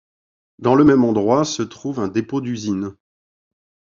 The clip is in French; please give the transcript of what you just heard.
Dans le même endroit se trouve un dépôt d'usine.